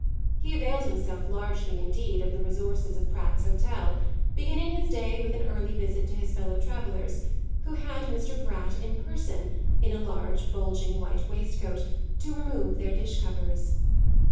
He availed himself largely indeed of the resources of Pratt's Hotel, beginning his day with an early visit to his fellow travellers, who had Mr. Pratt in person, in a large bulging white waistcoat, to remove their dish covers.